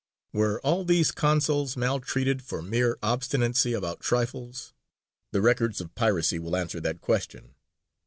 Were all these consuls maltreated for mere obstinacy about trifles? The records of piracy will answer that question.